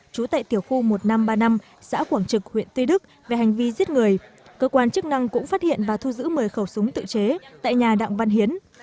trú tại tiểu khu một nghìn năm trăm ba mươi năm xã quảng trực huyện tuy đức về hành vi giết người cơ quan chức năng cũng phát hiện và thu giữ một mươi khẩu súng tự chế tại nhà đặng văn hiến